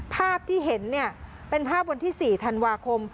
ภาพที่เห็นเนี่ยเป็นภาพวันที่๔ธันวาคม